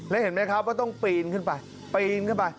แล้วเห็นไหมครับว่าต้องปีนขึ้นไปปีนขึ้นไป